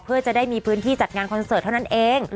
เพื่อจะได้มีพื้นที่จัดงานคอนเสิร์ตเท่านั้นเอง